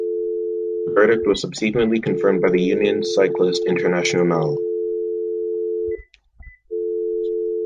The verdict was subsequently confirmed by the Union Cycliste Internationale.